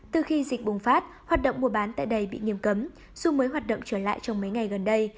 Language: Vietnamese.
từ khi dịch bùng phát hoạt động mua bán tại đây bị nghiêm cấm dù mới hoạt động trở lại trong mấy ngày gần đây